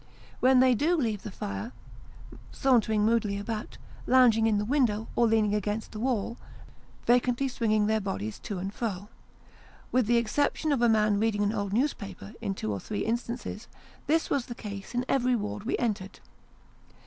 When they do leave the fire, sauntering moodily about, lounging in the window, or leaning against the wall, vacantly swinging their bodies to and fro. With the excep tion of a man reading an old newspaper, in two or three instances, this was the case in every ward we entered.